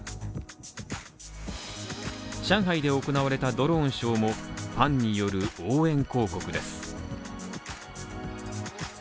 上海で行われたドローンショーもファンによる応援広告です。